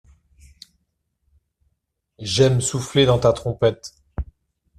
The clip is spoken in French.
j'aime souffler dans ta trompette.